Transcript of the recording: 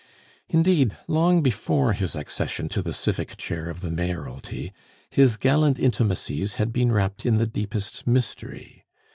Indeed, long before his accession to the civic chair of the Mayoralty, his gallant intimacies had been wrapped in the deepest mystery.